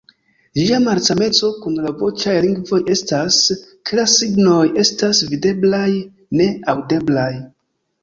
Ĝia malsameco kun la voĉaj lingvoj estas, ke la signoj estas videblaj, ne aŭdeblaj.